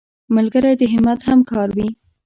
ملګری د همت همکار وي